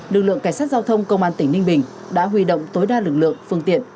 lực lượng cảnh sát giao thông công an tỉnh ninh bình đã huy động tối đa lực lượng phương tiện